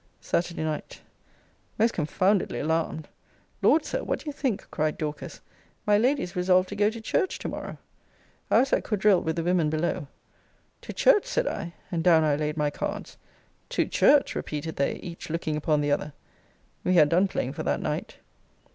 SATURDAY NIGHT. Most confoundedly alarmed! Lord, Sir, what do you think? cried Dorcas My lady is resolved to go to church to morrow! I was at quadrille with the women below. To church! said I, and down I laid my cards. To church! repeated they, each looking upon the other. We had done playing for that night.